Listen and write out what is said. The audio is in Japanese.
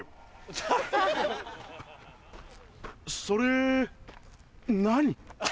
それ何？